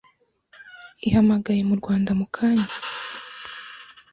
ihamagaye mu Rwanda mukanya